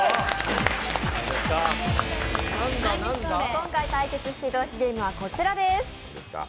今回対決していただくゲームは、こちらです。